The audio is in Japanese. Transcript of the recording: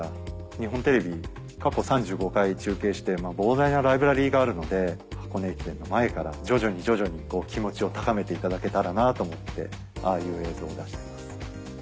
日本テレビ過去３５回中継して膨大なライブラリーがあるので箱根駅伝の前から徐々に徐々に気持ちを高めていただけたらなと思ってああいう映像を出しています。